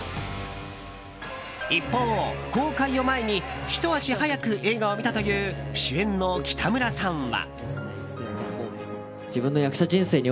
一方、公開を前にひと足早く映画を見たという主演の北村さんは。